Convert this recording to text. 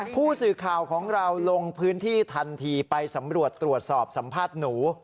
ผู้สื่อข่าวของเราลงพื้นที่ทันทีไปสำรวจตรวจสอบสัมภาษณ์หนู